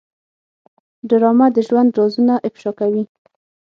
ډرامه د ژوند رازونه افشا کوي